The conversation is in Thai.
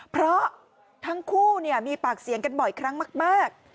เพราะทั้งคู่มีปากเสียงกันบ่อยครั้งมาก